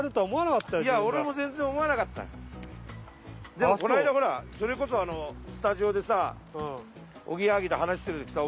でもこないだほらそれこそあのタジオでさあおぎやはぎと話してる時さあ